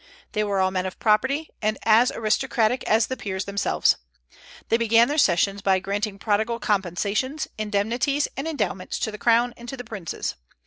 They were all men of property, and as aristocratic as the peers themselves. They began their sessions by granting prodigal compensations, indemnities, and endowments to the crown and to the princes.